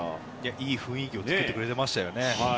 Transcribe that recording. いい雰囲気を作ってくれてましたよね。